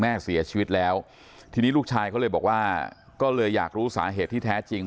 แม่เสียชีวิตแล้วทีนี้ลูกชายเขาเลยบอกว่าก็เลยอยากรู้สาเหตุที่แท้จริง